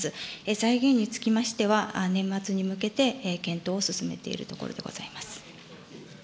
財源につきましては、年末に向けて検討を進めているところでございます。